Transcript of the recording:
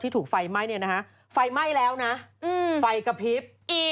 อีกครับ